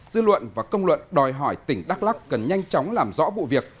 dư luận và công luận đòi hỏi tỉnh đắk lắc cần nhanh chóng làm rõ vụ việc